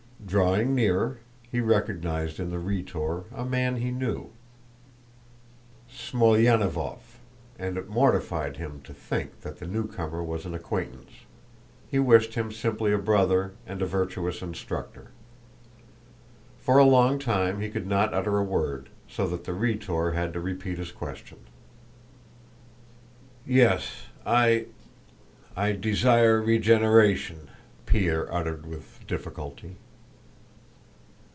Drawing nearer, he recognized in the Rhetor a man he knew, Smolyanínov, and it mortified him to think that the newcomer was an acquaintance—he wished him simply a brother and a virtuous instructor. For a long time he could not utter a word, so that the Rhetor had to repeat his question. "Yes... I... I... desire regeneration," Pierre uttered with difficulty.